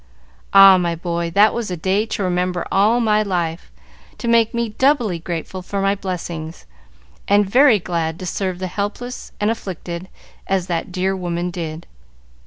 Ah, my boy, that was a day to remember all my life, to make me doubly grateful for my blessings, and very glad to serve the helpless and afflicted, as that dear woman did."